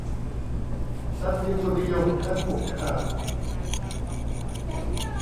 ลัทธิทุนนิยมขั้นผูกขาด